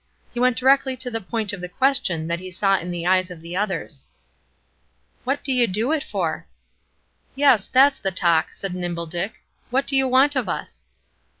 He went directly to the point of the question that he saw in the eyes of the others. "What do you do it for?" "Yes, that's the talk," said Nimble Dick. "What do you want of us?"